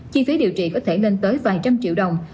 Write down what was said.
chi phí điều trị có thể lên tới vài trăm triệu đồng